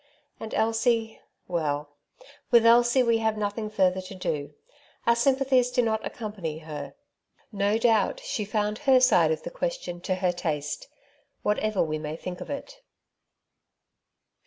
And Elsie — well, with Elsie we have nothing further to do ; our sympathies do not accompany her. No doubt she found her side of the question to her taste, whatever we may think of it.